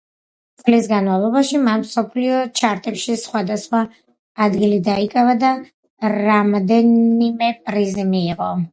წლის განმავლობაში მან მსოფლიო ჩარტებში სხვადასხვა ადგილი დაიკავა და რამდენიმე პრიზი მიიღო.